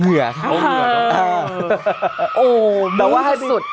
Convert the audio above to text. ขอเหนื่อยครับโอยต้อนนั้นล่ะโอ้มรึกสุด